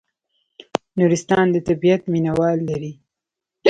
نورستان د طبیعت مینه وال لري